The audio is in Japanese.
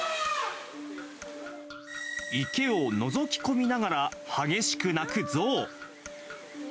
池をのぞき込みながら、激しく鳴く象。